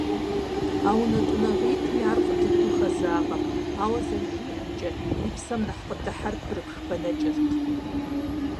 А унэтӏыныгъитӏми ар фӏы дыдэу хэзагъэрт, ауэ зэрыжиӏэмкӏэ, и псэм нэхъ къыдыхьэр бгырыпх бэнэкӏэрт.